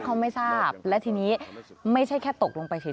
เขาไม่ทราบและทีนี้ไม่ใช่แค่ตกลงไปเฉย